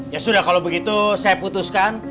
ya sudah kalau begitu saya putuskan